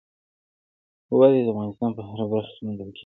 وادي د افغانستان په هره برخه کې موندل کېږي.